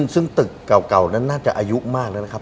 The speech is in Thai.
ซึ่งตึกเก่านั้นน่าจะอายุมากแล้วนะครับ